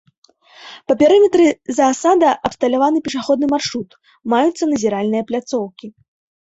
Па перыметры заасада абсталяваны пешаходны маршрут, маюцца назіральныя пляцоўкі.